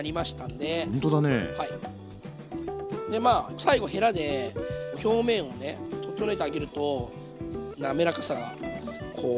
でまあ最後ヘラで表面をね整えてあげるとなめらかさがこう。